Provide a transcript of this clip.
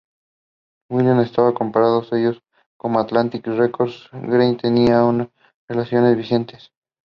These additions were designed by Carl Georg Brunius.